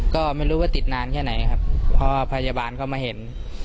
ก็ไม่รู้ว่าติดนานแค่ไหนครับเพราะว่าพยาบาลเข้ามาเห็น